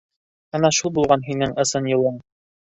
Ана шул булған һинен ысын юлын